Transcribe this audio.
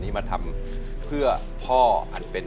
ที่บอกใจยังไง